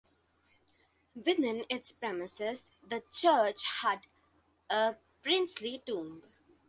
Within its premises the church had a princely tomb.